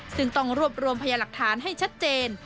ซึ่งต้องรวบรวมพยาหลักฐานให้ชัดเจน